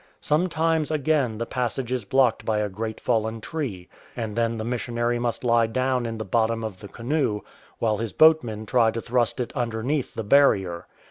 Sometimes again the passage is blocked by a great fallen tree, and then the missionary must lie down in the bottom of the canoe while his boatmen try to thrust it underneath the barrier.